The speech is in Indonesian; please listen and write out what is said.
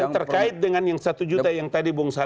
yang terkait dengan yang satu juta yang tadi bongsa